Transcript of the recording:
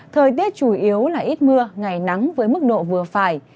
thời tiết chủ yếu là ít mưa ngày nắng với mức độ vừa phải